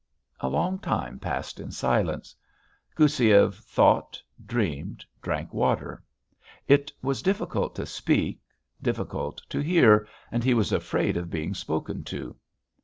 A long time passed in silence. Goussiev thought, dreamed, drank water; it was difficult to speak, difficult to hear, and he was afraid of being spoken to.